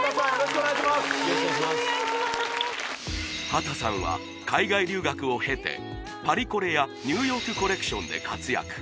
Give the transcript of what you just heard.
波多さんは海外留学を経てパリコレやニューヨークコレクションで活躍